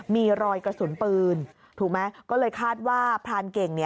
มีรอยกระสุนปืนถูกไหมก็เลยคาดว่าพรานเก่ง